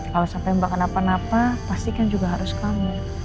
kalau sampai mbak akan apa apa pastikan juga harus kamu